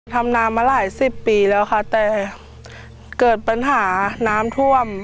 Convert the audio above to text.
ทำนามาหลายสิบปีแล้วค่ะแต่เกิดปัญหาน้ำท่วม